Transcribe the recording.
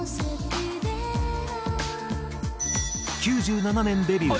９７年デビュー